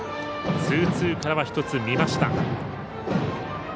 ツーツーからは１つ見ました。